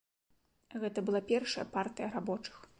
Гэта была першая партыя рабочых.